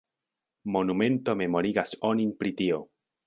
Monumento memorigas onin pri tio.